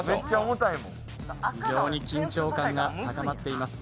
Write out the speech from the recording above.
緊張感が高まっています。